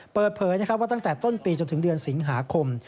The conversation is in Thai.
เปิดเผยว่าตั้งแต่ต้นปีจนถึงเดือนสิงหาคม